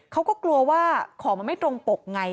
เขาก็กลัวว่าของมันไม่ตรงปกไง